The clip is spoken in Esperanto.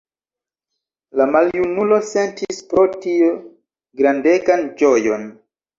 La maljunulo sentis pro tio grandegan ĝojon.